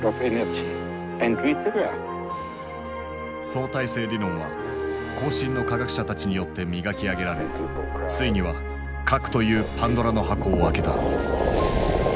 相対性理論は後進の科学者たちによって磨き上げられついには核というパンドラの箱を開けた。